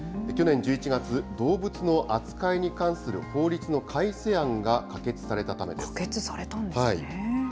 去年１１月、動物の扱いに関する法律の改正案が可決されたためで可決されたんですね。